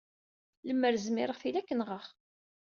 Lemmer zmireɣ, tili ad k-nɣeɣ.